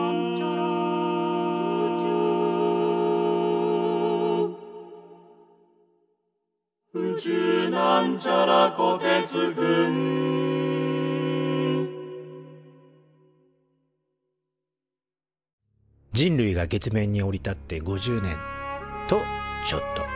「宇宙」人類が月面に降り立って５０年！とちょっと。